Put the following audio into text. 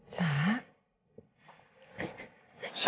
sahab inget ya